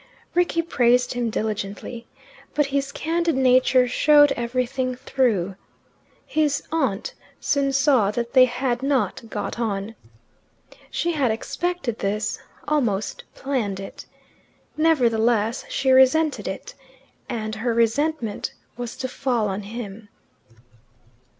Rickie praised him diligently. But his candid nature showed everything through. His aunt soon saw that they had not got on. She had expected this almost planned it. Nevertheless she resented it, and her resentment was to fall on him.